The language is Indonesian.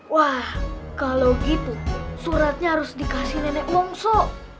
wah kalau gitu suratnya harus dikasih nenek mongso